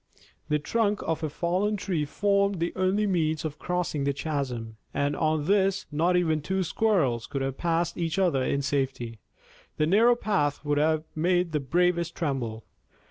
The trunk of a fallen tree formed the only means of crossing the chasm, and on this not even two squirrels could have passed each other in safety. The narrow path would have made the bravest tremble.